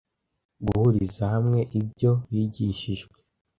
guhuriza hamwe ibyo bigishijwe